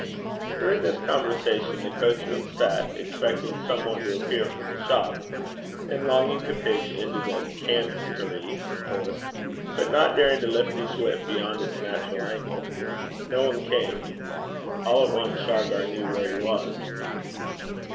During this conversation the coachman sat expecting some one to appear from the shop, and longing to pitch into the 'camstary' horse, but not daring to lift his whip beyond its natural angle. No one came. All at once Shargar knew where he was.